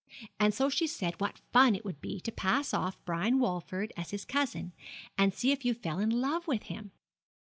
And so she said what fun it would be to pass off Brian Walford as his cousin, and see if you fell in love with him.